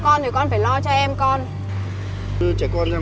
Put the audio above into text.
con không lo cho con thì con phải lo cho em con